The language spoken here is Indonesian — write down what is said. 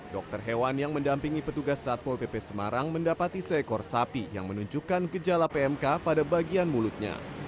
dokter hewan yang mendampingi petugas satpol pp semarang mendapati seekor sapi yang menunjukkan gejala pmk pada bagian mulutnya